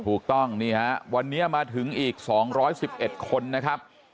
ถูกต้องนี่ฮะวันนี้มาถึงอีก๒๑๑คนนะครับ